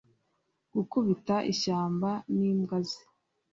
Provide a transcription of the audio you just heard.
Gukubita ishyamba nimbwa ze